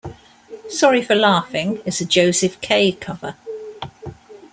"Sorry for Laughing" is a Josef K cover.